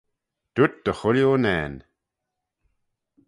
Dooyrt dy chooilley unnane.